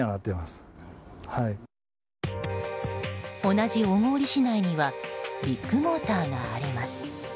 同じ小郡市内にはビッグモーターがあります。